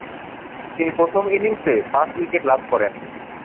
প্রথম ইনিংসে তিনি পাঁচ-উইকেট লাভ করেন।